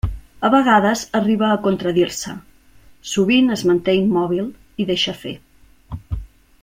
A vegades arriba a contradir-se; sovint es manté immòbil, i deixa fer.